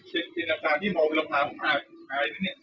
เป็นอันดับทางที่มองเวลาภาพของอายนี่เนี่ย